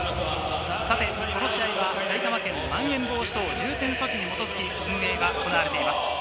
さて、この試合は埼玉県のまん延防止等重点措置に基づき運営が行われています。